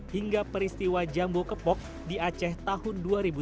hingga peristiwa jambu kepok di aceh tahun dua ribu dua puluh